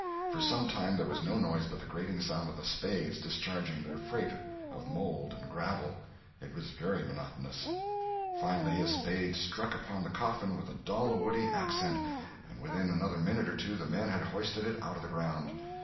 For some time there was no noise but the grating sound of the spades discharging their freight of mould and gravel. It was very monotonous. Finally a spade struck upon the coffin with a dull woody accent, and within another minute or two the men had hoisted it out on the ground.